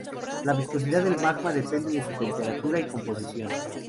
La viscosidad del magma depende de su temperatura y composición.